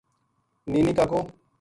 نی نی کاکو